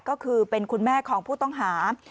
ก็คือเป็นคุณแม่ของผู้ต้องหา